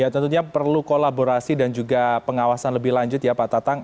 tentunya perlu kolaborasi dan juga pengawasan lebih lanjut ya pak tatang